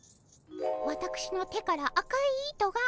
わたくしの手から赤い糸が。